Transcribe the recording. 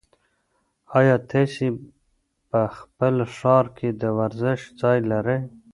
ایا تاسي په خپل ښار کې د ورزش ځای لرئ؟